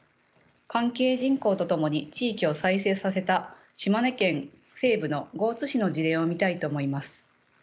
関係人口と共に地域を再生させた島根県西部の江津市の事例を見たいと思います。